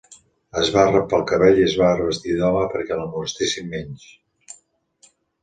Es va rapar el cabell i es va vestir d'home perquè la molestessin menys.